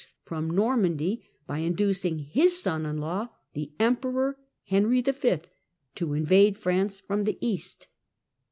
from Normandy by inducing his son in law, the Emperor Henry V., to invade France from the east.